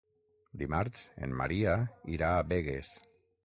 Dimarts en Maria irà a Begues.